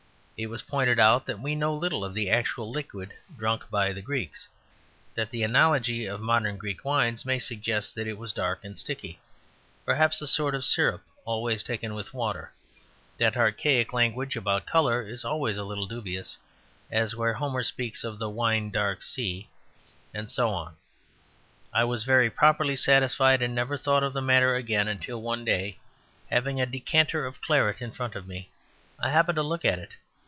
It was pointed out that we know little of the actual liquid drunk by the Greeks; that the analogy of modern Greek wines may suggest that it was dark and sticky, perhaps a sort of syrup always taken with water; that archaic language about colour is always a little dubious, as where Homer speaks of the "wine dark sea" and so on. I was very properly satisfied, and never thought of the matter again; until one day, having a decanter of claret in front of me, I happened to look at it.